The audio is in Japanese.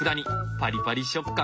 パリパリ食感！